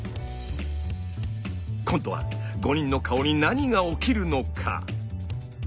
今度は５人の顔に何が起きるのか。